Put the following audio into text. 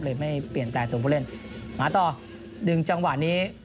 ไม่เปลี่ยนแปลงตัวผู้เล่นหมาต่อดึงจังหวะนี้